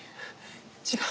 違う。